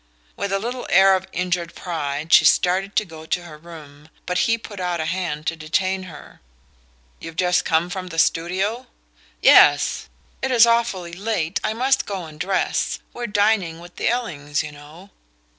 With a little air of injured pride she started to go to her room; but he put out a hand to detain her. "You've just come from the studio?" "Yes. It is awfully late? I must go and dress. We're dining with the Ellings, you know."